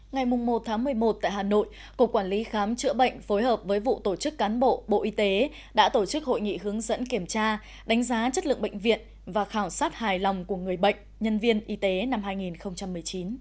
ngày một một mươi một tại hà nội cục quản lý khám chữa bệnh phối hợp với vụ tổ chức cán bộ bộ y tế đã tổ chức hội nghị hướng dẫn kiểm tra đánh giá chất lượng bệnh viện và khảo sát hài lòng của người bệnh nhân viên y tế năm hai nghìn một mươi chín